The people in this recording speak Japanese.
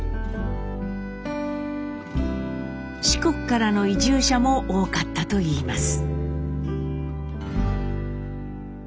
四国からの移住者も多かったといいます。